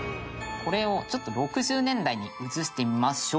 「これをちょっと６０年代に移してみましょう」